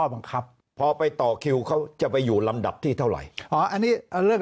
บังคับพอไปต่อคิวเขาจะไปอยู่ลำดับที่เท่าไหร่อันนี้เรื่อง